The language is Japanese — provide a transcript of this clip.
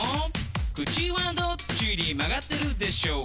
「口はどっちに曲がってるでしょう？」